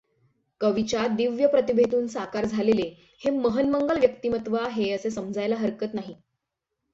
कवीच्या दिव्य प्रतिभेतून साकार झालले हे महन्मंगल व्यक्तिमत्त्व आहे असे समजायला हरकत नाही.